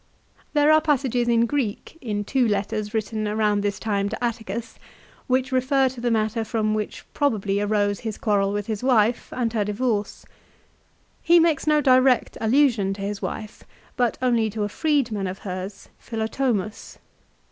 There are passages in Greek, in two letters 1 written about this time to Atticus, which refer to the matter from which probably arose his quarrel with his wife and her divorce. He makes no direct allusion to his wife> but only to a freedman of hers, Philotomus.